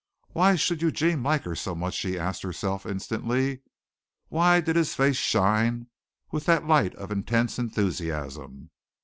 "Why should Eugene like her so much?" she asked herself instantly. "Why did his face shine with that light of intense enthusiasm?"